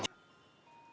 công tác tập trung